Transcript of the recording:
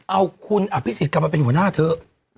เอาคุณอภิษฎกลับมาเป็นหัวหน้าเถอะ